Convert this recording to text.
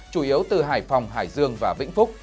chủ yếu từ hải phòng hải dương và vĩnh phúc